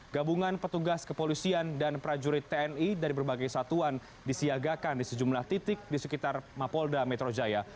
gabungan petugas kepolisian dan prajurit tni dari berbagai satuan disiagakan di sejumlah titik di sekitar mapolda metro jaya